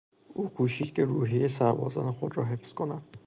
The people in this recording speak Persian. او کوشید که روحیهی سربازان خود را حفظ کند.